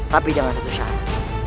tapi jangan satu syarat